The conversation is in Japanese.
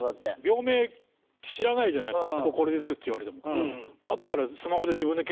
病名知らないじゃないですかこれですって言われても。